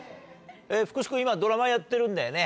福士君今ドラマやってるんだよね。